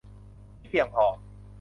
ที่เพียงพอ